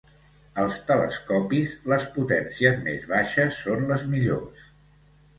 Als telescopis, les potències més baixes són les millors.